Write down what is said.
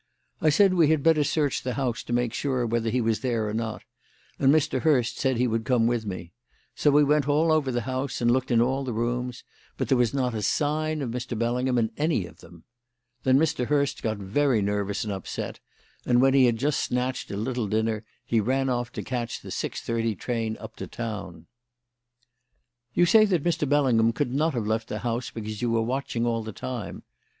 I said we had better search the house to make sure whether he was there or not, and Mr. Hurst said he would come with me; so we went all over the house and looked in all the rooms, but there was not a sign of Mr. Bellingham in any of them. Then Mr. Hurst got very nervous and upset, and when he had just snatched a little dinner he ran off to catch the six thirty train up to town." "You say that Mr. Bellingham could not have left the house because you were watching all the time.